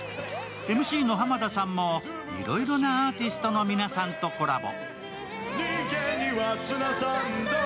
ＭＣの浜田さんもいろいろなアーティストの皆さんとコラボ。